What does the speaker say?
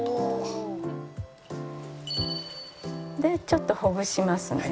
ちょっとほぐしますね。